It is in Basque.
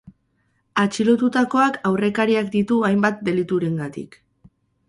Atxilotutakoak aurrekariak ditu hainbat deliturengatik.